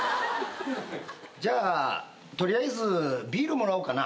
じゃあ取りあえずビールもらおうかな？